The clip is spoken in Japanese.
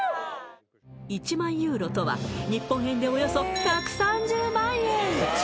１万ユーロとは日本円でおよそ１３０万円